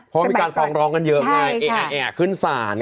เพราะมีการฟ้องร้องกันเยอะไงขึ้นศาล